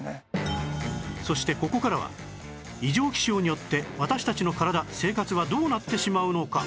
そしてここからは異常気象によって私たちの体生活はどうなってしまうのか？